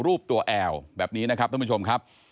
รูปตัวแอลแบบนี้นะครับท่านผู้ชมครับ